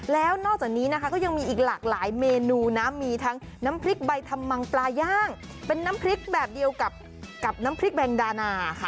แล้วนอกจากนี้นะคะก็ยังมีอีกหลากหลายเมนูนะมีทั้งน้ำพริกใบทำมังปลาย่างเป็นน้ำพริกแบบเดียวกับน้ำพริกแบงดานาค่ะ